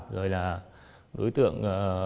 rồi là đối tượng